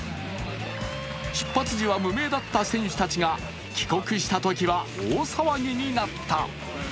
出発時は無名だった選手たちが帰国したときには大騒ぎになった。